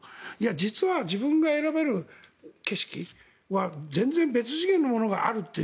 実は自分が選べる景色は全然別次元のものがあるという。